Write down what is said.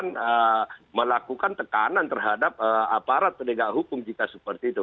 maka masyarakat akan melakukan tekanan terhadap aparat pendidikan hukum jika seperti itu